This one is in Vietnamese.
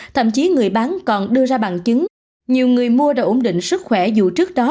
thậm chí người bán còn đưa ra bằng chứng nhiều người mua đã ổn định sức khỏe dù trước đó